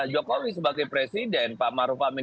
jokowi sebagai presiden pak maruf amin